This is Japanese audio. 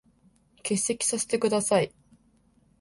欠席させて下さい。